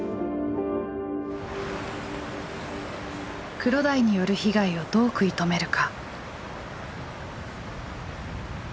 クロダイによる被害をどう食い止めるか。